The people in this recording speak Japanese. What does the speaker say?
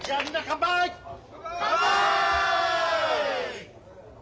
乾杯！